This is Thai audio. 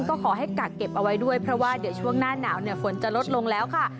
ก็ขอให้กักเก็บเอาไว้ด้วยเพราะว่าเดี๋ยวช่วงหน้าหนาวฝนจะลดลงแล้วค่ะ